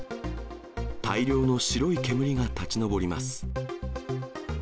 大量の白い煙が立ち上ります。